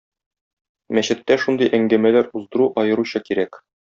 Мәчеттә шундый әңгәмәләр уздыру аеруча кирәк.